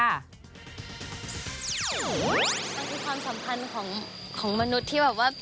มันคือความสัมพันธ์ของมนุษย์ที่แบบว่า